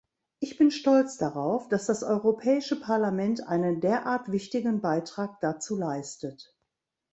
Ich bin stolz darauf, dass das Europäische Parlament einen derart wichtigen Beitrag dazu leistet.